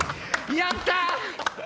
やった！